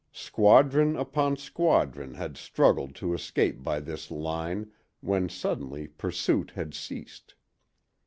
Squadron upon squadron had struggled to escape by this line, when suddenly pursuit had ceased.